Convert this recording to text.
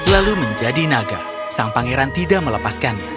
lalu menjadi naga sang pangeran tidak melepaskannya